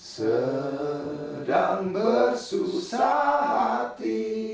sedang bersusah hati